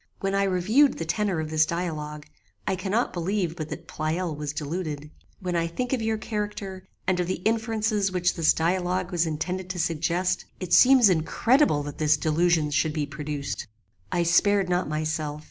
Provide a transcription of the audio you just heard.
When I reviewed the tenor of this dialogue, I cannot believe but that Pleyel was deluded. When I think of your character, and of the inferences which this dialogue was intended to suggest, it seems incredible that this delusion should be produced. "I spared not myself.